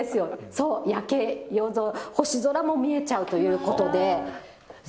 そう、夜景、夜空、星空も見えちゃうということで。